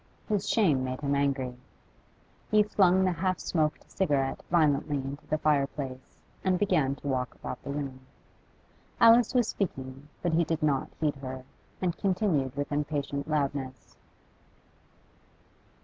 His shame made him angry; he flung the half smoked cigarette violently into the fire place, and began to walk about the room. Alice was speaking, but he did not heed her, and continued with impatient loudness.